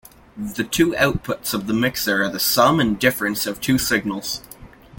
The two outputs of the mixer are the sum and difference of two signals.